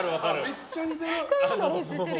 めっちゃ似てる。